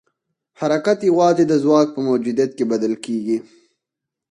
حرکت یوازې د ځواک په موجودیت کې بدل کېږي.